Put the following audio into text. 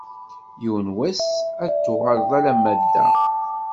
Yiwen n wass ad d-tuɣaleḍ alamma d da.